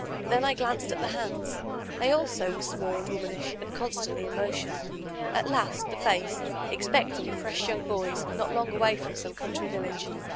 Then I glanced at the hands: they also were small and womanish, and constantly in motion. At last, the face, expecting a fresh young boy's, not long away from some country village.